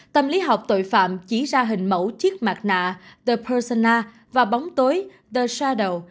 tâm lý học tội phạm chỉ ra hình mẫu chiếc mặt nạ the persona và bóng tối the shadow